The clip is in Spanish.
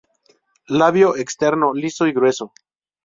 Labio externo liso y grueso.